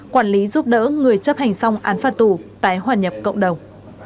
quản lý giúp đỡ người chấp hành xong án phạt tù tái hòa nhập cộng đồng